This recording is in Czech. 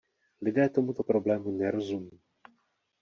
Lidé tomuto problému nerozumí.